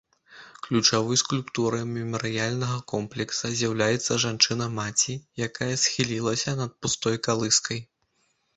Ключавой скульптурай мемарыяльнага комплекса з'яўляецца жанчына-маці, якая схілілася над пустой калыскай.